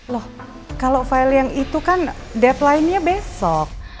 loh kalau file yang itu kan deadline nya besok